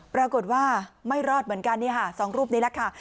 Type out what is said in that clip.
ปรากฏว่าไม่รอดเหมือนกันสองรูปนี้แหละค่ะ